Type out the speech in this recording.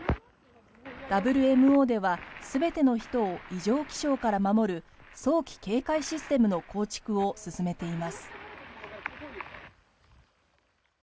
ＷＭＯでは全ての人を異常気象から守る早期警戒システムの構築を進めています。